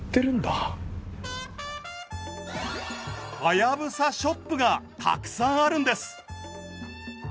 ハヤブサショップがたくさんあるんです。